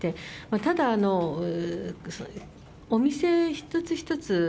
ただ、お店一つ一つ